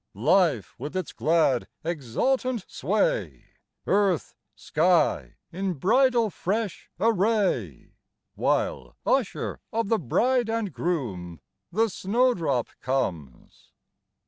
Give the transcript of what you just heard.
Life, with its glad, exultant sway, — Earth, sky, in bridal fresh array, — While, usher of the bride and groom, The snowdrop comes